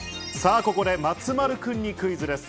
ここで松丸君にクイズです。